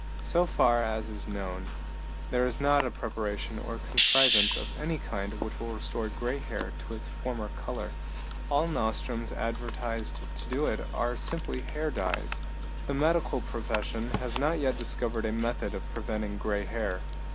So far as is known, there is not a preparation or contrivance of any kind which will restore gray hair to its former color. All nostrums advertised to do it are simply hair dyes. The medical profession has not discovered a method of preventing gray hair.